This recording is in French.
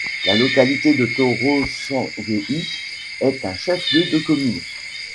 La localité de Torossanguéhi est un chef-lieu de commune.